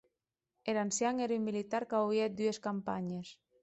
Er ancian ère un militar qu'auie hèt dues campanhes.